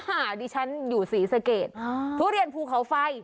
ดิฉันอยู่ศรีสะเกดทุเรียนภูเขาไฟ